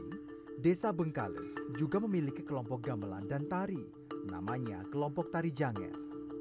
di desa bengkale juga memiliki kelompok gamelan dan tari namanya kelompok tari janget